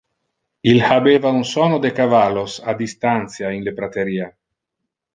Il habeva un sono de cavallos a distantia, in le prateria.